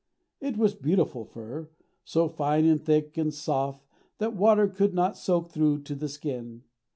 It was beautiful fur, so fine and thick and soft that water could not soak through to the skin.